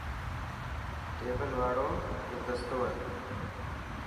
ٽيبل واڙو گلدستو هي.